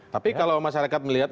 tapi kalau masyarakat melihat